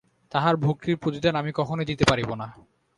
তাহার ভক্তির প্রতিদান আমি কখনই দিতে পারিব না।